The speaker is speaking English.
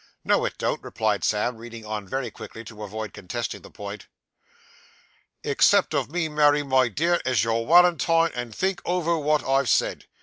'No, it don't,' replied Sam, reading on very quickly, to avoid contesting the point '"Except of me Mary my dear as your walentine and think over what I've said.